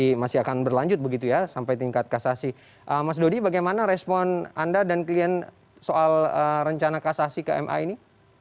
ini masih akan berlanjut begitu ya sampai tingkat kasasi mas dodi bagaimana respon anda dan klien soal rencana kasasi ke ma ini